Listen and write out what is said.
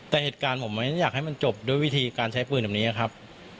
แต่เหตุการณ์ผมไม่อยากให้มันจบด้วยวิธีการใช้ปืนแบบนี้ครับ